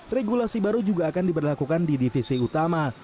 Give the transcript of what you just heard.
regulasi baru juga akan diberlakukan di divisi utama